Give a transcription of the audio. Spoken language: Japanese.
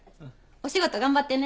お仕事頑張ってね。